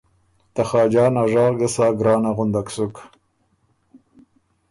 ته خاجان ا ژغ ګه سا ګرانه غُندک سُک